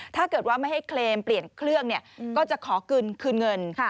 ถ้าเกิดว่าไม่ให้เคลมเปลี่ยนเครื่องก็จะขอคืนเงิน